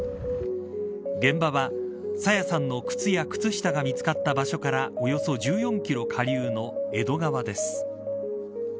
現場は朝芽さんの靴や靴下が見つかった場所からおよそ１４キロ下流の江戸川です。